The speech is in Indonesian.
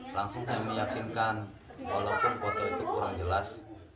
langsung saya meyakinkan walaupun foto itu kurang jelas